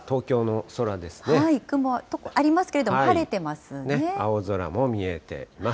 雲ありますけれども、晴れて青空も見えています。